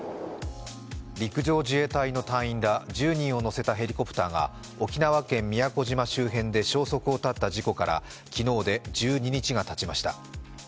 陸上自衛隊の隊員ら１０人を乗せたヘリコプターが沖縄県宮古島周辺で消息を絶った事故から昨日で１２日がたちました。